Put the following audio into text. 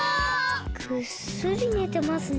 ぐっすり寝てますね。